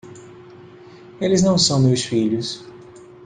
Eles não são meus filhos.